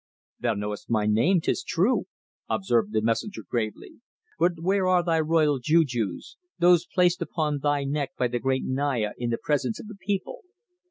"Thou knowest my name, 'tis true," observed the messenger gravely. "But where are thy royal jujus; those placed upon thy neck by the great Naya in the presence of the people?"